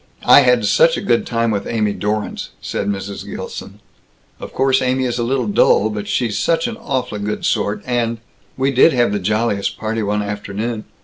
"I had such a good time with Amy Dorrance," said Mrs. Gilson. "Of course Amy is a little dull, but she's such an awfully good sort and We did have the jolliest party one afternoon.